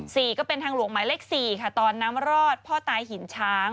ก็เป็นทางหลวงหมายเลขสี่ค่ะตอนน้ำรอดพ่อตายหินช้าง